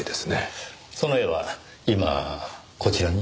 その絵は今こちらに？